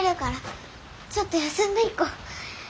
ちょっと休んでいこう。